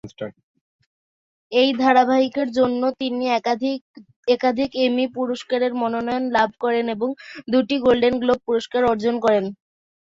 এই ধারাবাহিকের জন্য তিনি একাধিক এমি পুরস্কারের মনোনয়ন লাভ করেন এবং দুটি গোল্ডেন গ্লোব পুরস্কার অর্জন করেন।